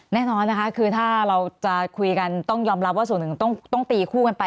แน่นอนนะคะคือถ้าเราจะคุยกันต้องยอมรับว่าส่วนหนึ่งต้องตีคู่กันไป